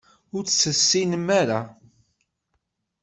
Ur tt-tessinem ara.